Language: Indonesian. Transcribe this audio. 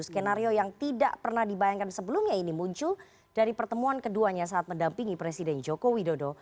skenario yang tidak pernah dibayangkan sebelumnya ini muncul dari pertemuan keduanya saat mendampingi presiden joko widodo